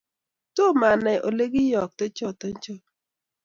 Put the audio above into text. tom anai ole kiyoyto choto cho